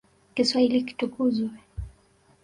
Kiswahili kitukuzwe.